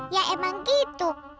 ya emang gitu